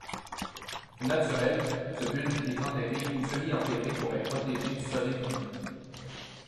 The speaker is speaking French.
Au naturel, ce bulbe est enterré ou semi-enterré pour être protégé du soleil brulant.